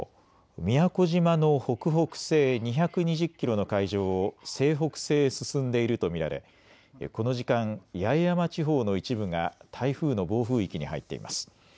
宮古島の北北西２２０キロの海上を西北西へ進んでいると見られこの時間、八重山地方の一部が台風の暴風域に入っています。